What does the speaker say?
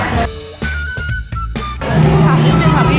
สำหรับที่ข้างจริงครับพี่